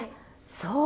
そう。